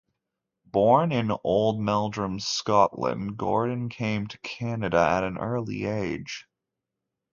Born in Oldmeldrum, Scotland, Gordon came to Canada at an early age.